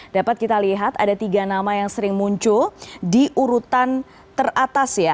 dapat kita lihat ada tiga nama yang sering muncul di urutan teratas ya